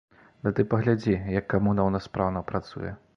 Ды ты паглядзі, як камуна ў нас спраўна працуе.